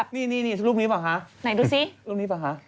นี่รูปนี้เปล่า